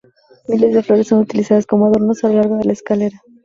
Miles de flores son utilizadas como adornos, a lo largo de la escalera.